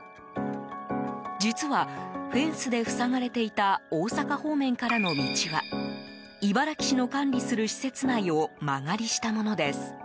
実は、フェンスで塞がれていた大阪方面からの道は茨木市の管理する施設内を間借りしたものです。